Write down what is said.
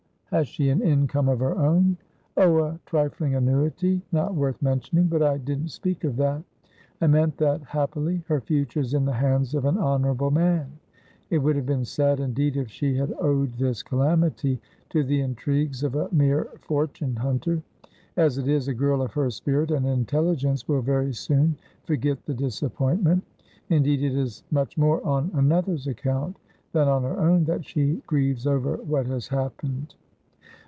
Has she an income of her own?" "Oh, a trifling annuity, not worth mentioning. But I didn't speak of that. I meant that, happily, her future is in the hands of an honourable man. It would have been sad indeed if she had owed this calamity to the intrigues of a mere fortune hunter. As it is, a girl of her spirit and intelligence will very soon forget the disappointment. Indeed, it is much more on another's account than on her own that she grieves over what has happened."